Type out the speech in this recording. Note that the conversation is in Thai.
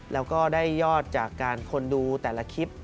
แล้วก็ได้ยอดจากการคนดูแต่ละคลิป